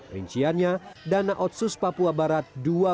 rinciannya dana otsus papua barat